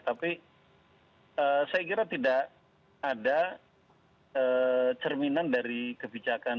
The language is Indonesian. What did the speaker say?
tapi saya kira tidak ada cerminan dari kebijakan